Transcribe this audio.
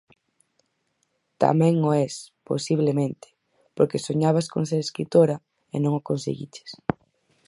Tamén o es, posiblemente, porque soñabas con ser escritora e non o conseguiches.